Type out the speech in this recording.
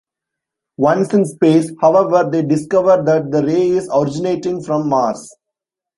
Once in space, however, they discover that the ray is originating from Mars.